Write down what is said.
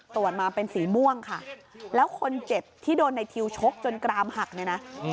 ตรวจมาเป็นสีม่วงค่ะแล้วคนเจ็บที่โดนในทิวชกจนกรามหักเนี่ยนะ